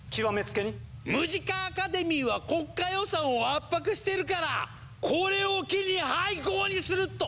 「ムジカ・アカデミーは国家予算を圧迫してるからこれを機に廃校にする」と！